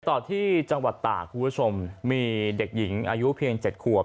ต่อที่จังหวัดตากคุณผู้ชมมีเด็กหญิงอายุเพียง๗ขวบ